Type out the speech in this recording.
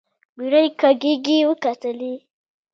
مېړه يې کږې وکتلې.